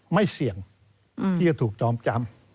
ไม่เสี่ยงที่จะถูกจอมจำ